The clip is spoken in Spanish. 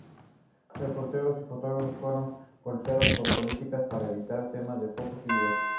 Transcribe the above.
Reporteros y fotógrafos fueron golpeados por policías para evitar tomas de fotos y videos.